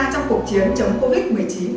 trong cuộc chiến chống covid một mươi chín